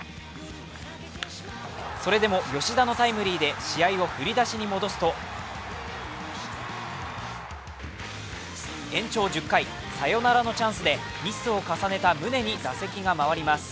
それでも、吉田のタイムリーで試合を振り出しに戻すと延長１０回、サヨナラのチャンスでミスを重ねた宗に打席が回ります。